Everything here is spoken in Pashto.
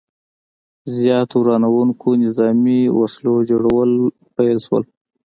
زیاتو ورانوونکو نظامي وسلو جوړول پیل شو.